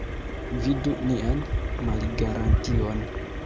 Vidu nian malgarantion.